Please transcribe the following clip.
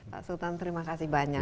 pak sultan terima kasih banyak